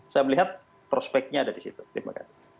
saya melihat prospeknya ada di situ terima kasih